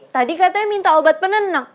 tadi katanya minta obat penenang